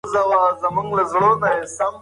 که رښتیا وي نو وصال وي.